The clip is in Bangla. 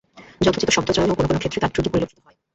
যথোচিত শব্দ চয়নেও কোন কোন ক্ষেত্রে তাঁর ত্রুটি পরিলক্ষিত হয়।